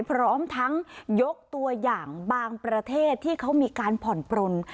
พร้อมทั้งยกตัวอย่างบางประเทศที่เขามีการผ่อนปลน